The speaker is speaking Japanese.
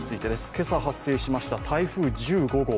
今朝発生しました台風１５号。